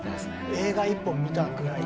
映画１本見たぐらい。